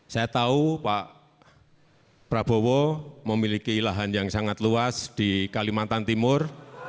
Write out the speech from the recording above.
saya tahu pak prabowo memiliki lahan yang sangat luas di kalimantan timur